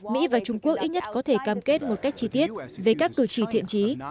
mỹ và trung quốc ít nhất có thể cam kết một cách chi tiết về các cử chỉ thiện trí